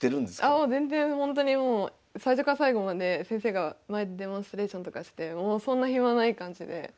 あもう全然ほんとにもう最初から最後まで先生が前でデモンストレーションとかしてそんな暇ない感じで。